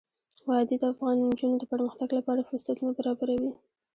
وادي د افغان نجونو د پرمختګ لپاره فرصتونه برابروي.